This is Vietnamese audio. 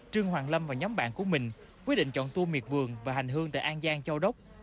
trương hoàng lâm và nhóm bạn của mình quyết định chọn tour miệt vườn và hành hương tại an giang châu đốc